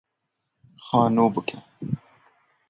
Xwe nû bike.